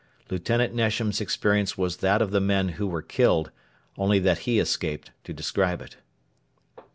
Lieutenant Nesham's experience was that of the men who were killed, only that he escaped to describe it.